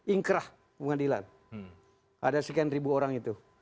ingkrah pengadilan ada sekian ribu orang itu